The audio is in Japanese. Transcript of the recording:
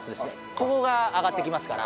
ここが上がってきますから。